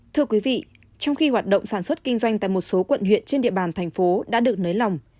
thưa quý vị trong khi hoạt động sản xuất kinh doanh tại một số quận huyện trên địa bàn thành phố đã được nới lỏng